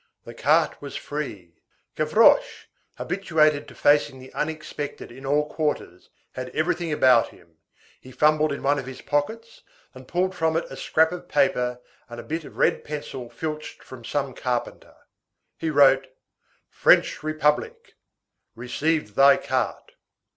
The cart was free. Gavroche, habituated to facing the unexpected in all quarters, had everything about him. He fumbled in one of his pockets, and pulled from it a scrap of paper and a bit of red pencil filched from some carpenter. He wrote:— "French Republic." "Received thy cart."